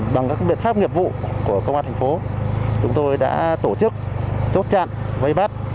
bằng các biện pháp nghiệp vụ của công an thành phố chúng tôi đã tổ chức chốt chặn vây bắt